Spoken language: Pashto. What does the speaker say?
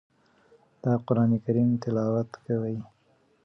د قران کریم تلاوت کوي.